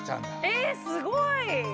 えすごい。